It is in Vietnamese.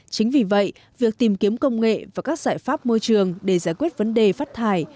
chính vì vậy việc tìm kiếm công nghệ và các giải pháp môi trường để giải quyết vấn đề phát thải